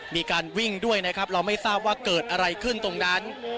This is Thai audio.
มีการวิ่งด้วยนะครับเราไม่ทราบว่าเกิดอะไรขึ้นตรงนั้น